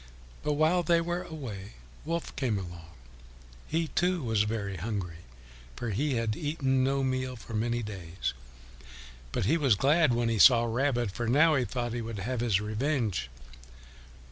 But while they were away Wolf came along. He, too, was very hungry, for he had eaten no meal for many days, but he was glad when he saw Rabbit, for now he thought he would have his revenge.